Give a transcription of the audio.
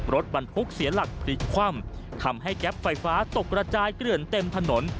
รถบรรทุกเสียหลักพลิกคว่ำทำให้แก๊ปไฟฟ้าตกระจายเกลื่อนเต็มถนน